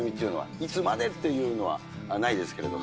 いつまでっていうのはないですけれども。